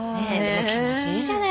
気持ちいいじゃない。